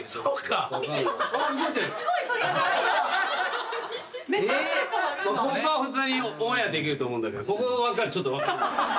ここは普通にオンエアできると思うんだけどここちょっと。